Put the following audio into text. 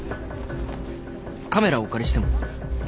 カメラお借りしても？